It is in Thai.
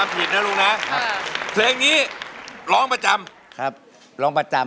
เพลงนี้ร้องประจำครับร้องประจำ